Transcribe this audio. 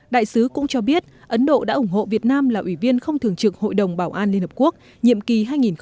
đại sứ cũng cho biết ấn độ đã ủng hộ việt nam là ủy viên không thường trực hội đồng bảo an liên hợp quốc nhiệm kỳ hai nghìn hai mươi hai nghìn hai mươi một